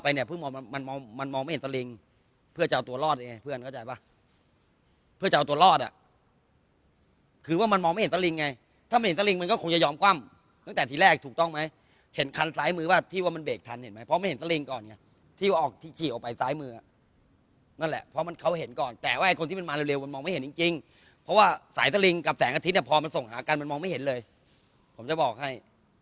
ไฟแค่ว่าไฟแค่ว่าไฟแค่ว่าไฟแค่ว่าไฟแค่ว่าไฟแค่ว่าไฟแค่ว่าไฟแค่ว่าไฟแค่ว่าไฟแค่ว่าไฟแค่ว่าไฟแค่ว่าไฟแค่ว่าไฟแค่ว่าไฟแค่ว่าไฟแค่ว่าไฟแค่ว่าไฟแค่ว่าไฟแค่ว่าไฟแค่ว่าไฟแค่ว่าไฟแค่ว่าไฟแค่ว่าไฟแค่ว่าไฟแค